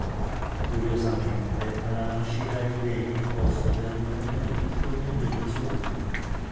Curiosamente alla nascita gli venne imposto per nome il cognome di sua madre.